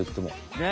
ねえ！